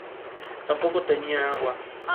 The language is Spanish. Está en la región del Banato, en Voivodina.